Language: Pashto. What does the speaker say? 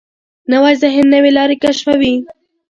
نوی ذهن نوې لارې کشفوي